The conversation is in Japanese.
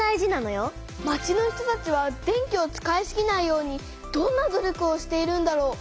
町の人たちは電気を使いすぎないようにどんな努力をしているんだろう？